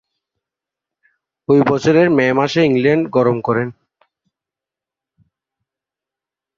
ঐ বছরের মে মাসে ইংল্যান্ড গমন করেন।